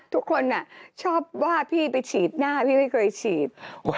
ทุกคนชอบว่าพี่ไปฉีดหน้าพี่ไม่เคยฉีด